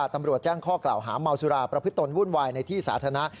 ตำรวจแจ้งข้อกล่าวหาเมาสุราประพฤตนวุ่นวายในที่สาธารณะ